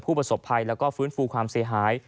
ผู้ประสบภัยและฟื้นฟูความเสียหาย